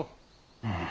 うん。